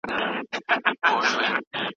احتکار په اقتصاد کي لویه ګناه ده.